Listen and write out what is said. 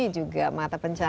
juga mata pencari